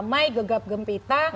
kemudian ramai gegap gempita